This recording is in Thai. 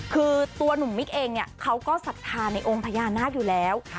คือตัวหนุ่มมิกเองเนี่ยเขาก็ศรัทธาในองค์พญานาคอยู่แล้ว